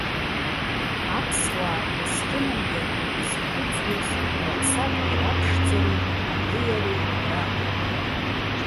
Аԥсуаа есқьынагьы изқәыӡуаз рыԥсадгьыл аԥшӡареи абеиареи ракәын.